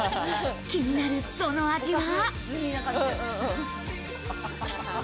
気になるその味は。